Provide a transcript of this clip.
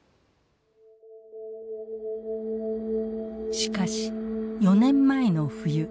しかし４年前の冬